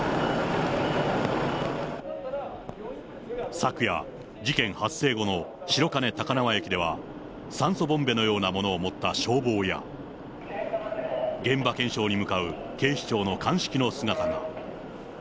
昨夜、事件発生後の白金高輪駅では、酸素ボンベのようなものを持った消防や、現場検証に向かう警視庁の鑑識の姿が。